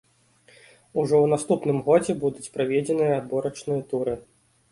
Ужо ў наступным годзе будуць праведзеныя адборачныя туры.